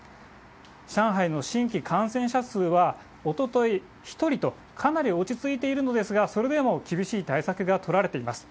上海の新規感染者数はおととい１人と、かなり落ち着いているのですが、それでも厳しい対策が取られています。